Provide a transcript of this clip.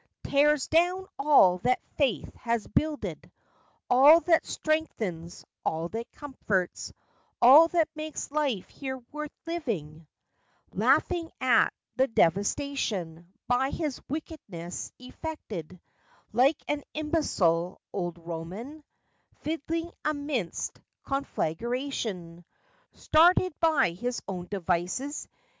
Tears down all that faith has builded: All that strengthens, all that comforts, All that makes life here worth living: Laughing at the devastation By his wickedness effected, Like an imbecile old Roman Fid'ling amidst conflagration Started by his own devices.